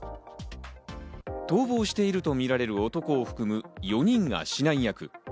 逃亡しているとみられる男を含む４人が指南役。